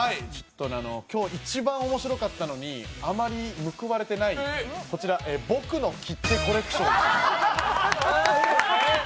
今日一番面白かったのにあまり報われてない、こちら僕の切手コレクション。